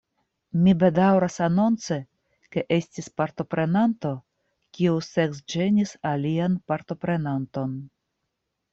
Mi bedaŭras anonci, ke estis partoprenanto, kiu seksĝenis alian partoprenanton.